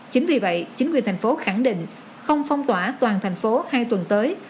chính vì vậy chính quyền thành phố khẳng định không phong tỏa toàn thành phố hai tuần tới